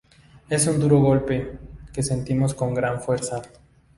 Es un duro golpe, que sentimos con gran fuerza"".